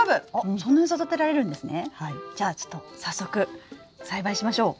じゃあちょっと早速栽培しましょう！